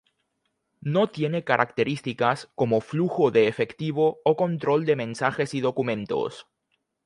No tiene características como flujo de efectivo o control de mensajes y documentos.